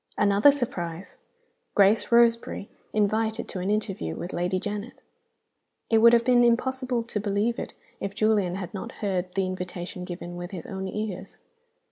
'" Another surprise! Grace Roseberry invited to an interview with Lady Janet! It would have been impossible to believe it, if Julian had not heard the invitation given with his own ears.